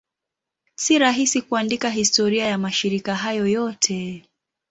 Si rahisi kuandika historia ya mashirika hayo yote.